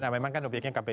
nah memang kan objeknya kpu